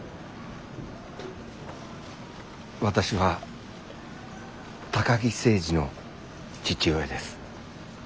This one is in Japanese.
私は高木誠司の父親です。